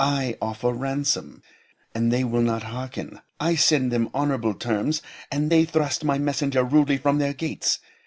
I offer ransom, and they will not harken. I send them honorable terms, and they thrust my messenger rudely from their gates.